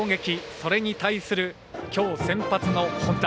それに対する、きょう先発の本田。